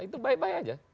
itu bye bye aja